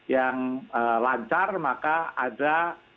yang lancar maka ada